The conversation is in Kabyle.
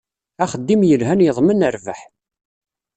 Axeddim yelhan yeḍmen rrbeḥ.